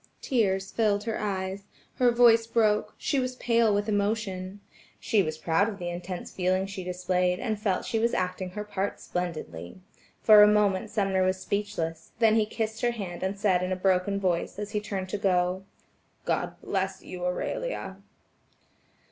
Tears filled her eyes, her voice broke, she was pale with emotion. She was proud of the intense feeling she displayed, and felt that she was acting her part splendidly. For a moment Sumner was speechless, then he kissed her hand and said in a broken voice, as he turned to go: "God bless you, Aurelia."